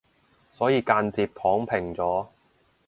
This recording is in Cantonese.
所以間接躺平咗